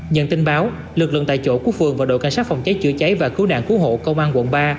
nhận tin báo lực lượng tại chỗ của phường và đội cảnh sát phòng cháy chữa cháy và cứu nạn cứu hộ công an quận ba